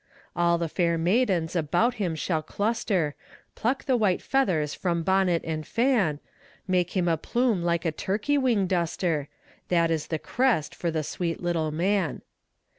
All the fair maidens about him shall cluster, Pluck the white feathers from bonnet and fan, Make him a plume like a turkey wing duster That is the crest for the sweet little man.